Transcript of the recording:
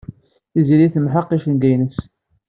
Tiziri temḥeq icenga-nnes.